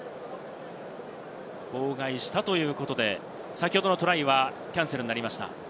妨害したということで先ほどのトライはキャンセルになりました。